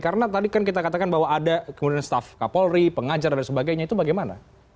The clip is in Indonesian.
karena tadi kan kita katakan bahwa ada kemudian staf kapolri pengajar dan sebagainya itu bagaimana